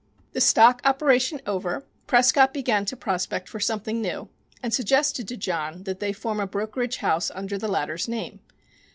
The stock "operation" over, Prescott began to prospect for something new, and suggested to John that they form a brokerage house under the latter's name.